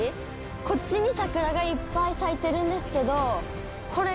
こっちに桜がいっぱい咲いてるんですけど。